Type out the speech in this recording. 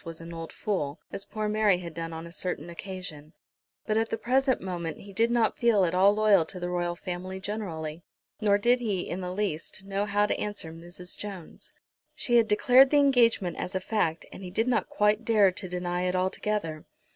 was an old fool, as poor Mary had done on a certain occasion, but at the present moment he did not feel at all loyal to the Royal Family generally. Nor did he, in the least, know how to answer Mrs. Jones. She had declared the engagement as a fact, and he did not quite dare to deny it altogether.